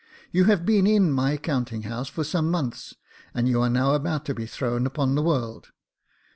You have been in my counting house for some months, and you are now about to be thrown upon the world.